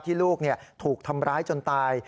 ที่ลูกเนี่ยถูกทำร้ายจนตาย